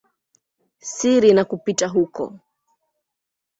siri na kupita huko.